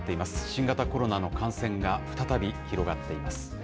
新型コロナの感染が再び広がっています。